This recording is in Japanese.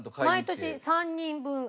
毎年３人分。